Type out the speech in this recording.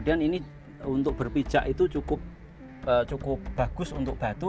dan ini untuk berpijak itu cukup bagus untuk batu